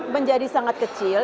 menjadi sangat kecil